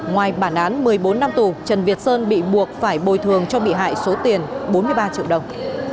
ngoài bản án một mươi bốn năm tù trần việt sơn bị buộc phải bồi thường cho bị hại số tiền bốn mươi ba triệu đồng